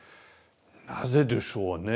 なぜでしょうねえ。